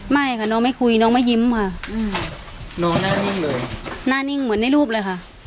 หน้านิ่งเหมือนในรูปเลยค่ะ